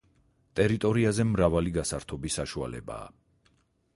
ტერიტორიაზე მრავალი გასართობი საშუალებაა.